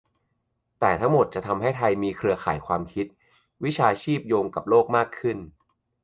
แต่ทั้งหมดจะทำให้ไทยมีเครือข่ายความคิด-วิชาชีพโยงกับโลกมากขึ้น